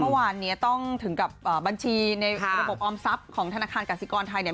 เมื่อวานนี้ต้องถึงกับบัญชีในระบบออมทรัพย์ของธนาคารกสิกรไทยเนี่ย